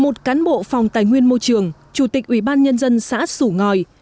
một cán bộ phòng tài nguyên môi trường chủ tịch ủy ban nhân dân xã sủ ngòi